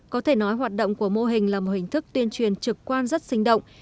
có thể nói hoạt động của mô hình là một hình thức tuyên truyền trực quan rất sinh động